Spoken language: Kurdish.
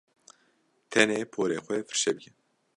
Tenê porê xwe firçe bike.